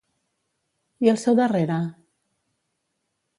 I al seu darrere?